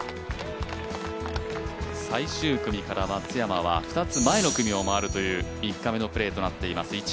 最終組から松山は２つ前を回るという１回目のプレーとなっています